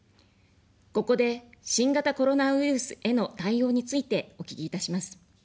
ここで、新型コロナウイルスへの対応についてお聞きいたします。